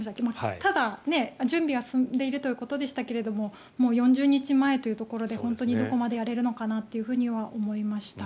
ただ、準備は進んでいるということでしたがもう４０日前というところで本当にどこまでやれるのかなと思いました。